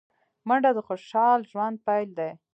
منډه د خوشال ژوند پيل دی